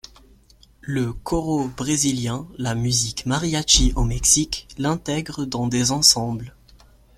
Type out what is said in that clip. Le choro brésilien, la musique mariachi au Mexique l'intègrent dans des ensembles.